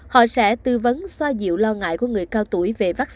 họ sẽ tư vấn xoa dịu lo ngại của người cao tuổi